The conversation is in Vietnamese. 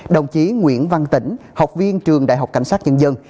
đồng chí nguyễn văn tỉnh học viên trường đại học cảnh sát nhân dân